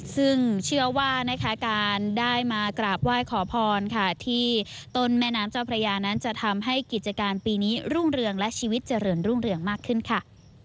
ซึ่งเชื่อว่านะคะการได้มากราบไหว้ขอพรค่ะที่ต้นแม่น้ำเจ้าพระยานั้นจะทำให้กิจการปีนี้รุ่งเรืองและชีวิตเจริญรุ่งเรืองมากขึ้นค่ะ